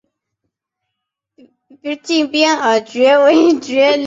近边耳蕨为鳞毛蕨科耳蕨属下的一个种。